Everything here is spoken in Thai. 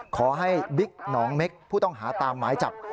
ขอให้บิ๊กหนองเม็กผู้ต้องหาตามหมายจับ